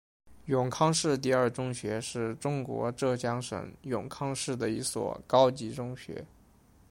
永康市第二中学是中国浙江省永康市的一所高级中学。